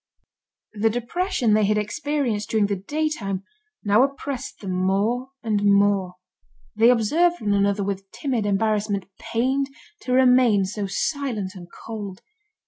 The depression they had experienced during the daytime, now oppressed them more and more. They observed one another with timid embarrassment, pained to remain so silent and cold.